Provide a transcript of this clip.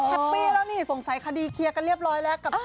ปี้แล้วนี่สงสัยคดีเคลียร์กันเรียบร้อยแล้วกับ